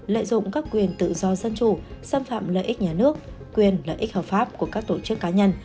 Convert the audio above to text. lợi dụng các quyền tự do dân chủ xâm phạm lợi ích nhà nước quyền lợi ích hợp pháp của các tổ chức cá nhân